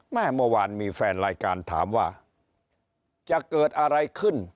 เมื่อวานมีแฟนรายการถามว่าจะเกิดอะไรขึ้น